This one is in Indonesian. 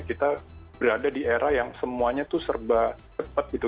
kita berada di era yang semuanya tuh serba cepat gitu